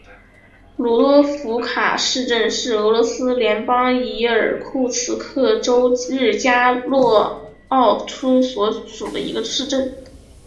鲁多夫卡市镇是俄罗斯联邦伊尔库茨克州日加洛沃区所属的一个市镇。